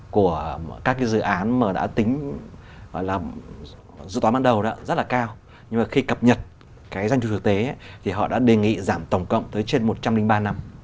các dự án đã tính dự toán ban đầu rất là cao nhưng khi cập nhật danh thu thực tế thì họ đã đề nghị giảm tổng cộng tới trên một trăm linh ba năm